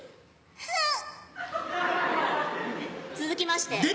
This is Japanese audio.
続きまして。